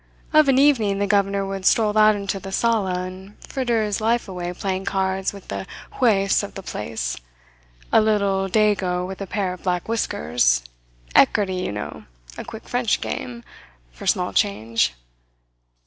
"Of an evening the governor would stroll out into the sala and fritter his life away playing cards with the juez of the place a little Dago with a pair of black whiskers ekarty, you know, a quick French game, for small change.